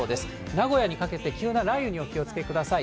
名古屋にかけて急な雷雨にお気をつけください。